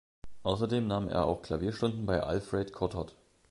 Außerdem nahm er auch Klavierstunden bei Alfred Cortot.